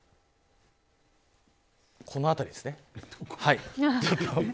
この辺りですね。